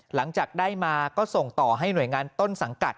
หลังจากได้มาก็ส่งต่อให้หน่วยงานต้นสังกัด